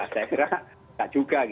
saya kira tidak juga